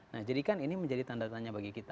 nah jadikan ini menjadi tanda tanya bagi kita